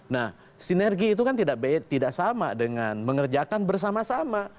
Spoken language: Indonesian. nah sinergi itu kan tidak sama dengan mengerjakan bersama sama